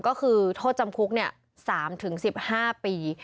ก็คือโทษจำคุก๓๑๕ปี